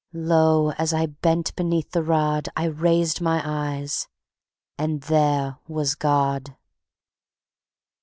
Lo! as I bent beneath the rod I raised my eyes ... and there was God.